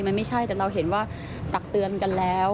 มันไม่ใช่แต่เราเห็นว่าตักเตือนกันแล้ว